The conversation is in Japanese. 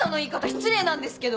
失礼なんですけど！